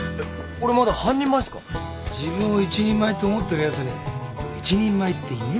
自分を一人前って思ってるやつに一人前っていねえんだよ。